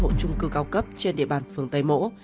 vào căn hộ trung cư cao cấp trên địa bàn phường tây mỗ